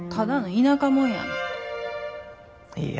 ただの田舎もんやない。